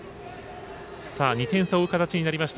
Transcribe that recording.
２点差を追う形になりました。